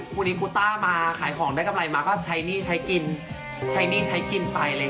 ครูนี้ครูต้ามาขายของได้กำไรมาก็ใช้หนี้ใช้กินใช้หนี้ใช้กินไปอะไรอย่างนี้